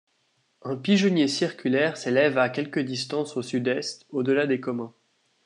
Un pigeonnier circulaire s'élève à quelque distance au sud-est, au-delà des communs.